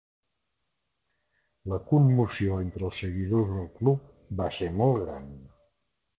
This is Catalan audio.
La commoció entre els seguidors del club va ser molt gran.